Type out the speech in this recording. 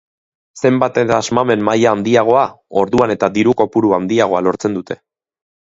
Zenbat eta asmamen maila handiagoa, orsuan eta diru-kopuru handiagoa lortzen dute.